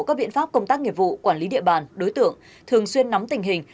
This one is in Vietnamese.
các biện pháp công tác nghiệp vụ quản lý địa bàn đối tượng thường xuyên nắm tình hình